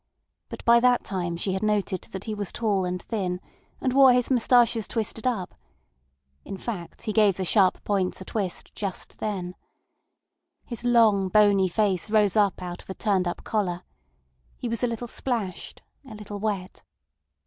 But by that time she had noted that he was tall and thin, and wore his moustaches twisted up. In fact, he gave the sharp points a twist just then. His long, bony face rose out of a turned up collar. He was a little splashed, a little wet.